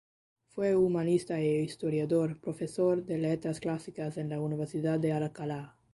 Fue humanista e historiador, profesor de letras clásicas en la Universidad de Alcalá.